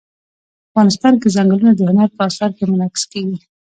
افغانستان کې ځنګلونه د هنر په اثار کې منعکس کېږي.